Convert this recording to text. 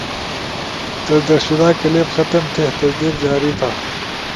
تصدیق شدہ کلپ ختم تھے؟ تصدیق جاری تھا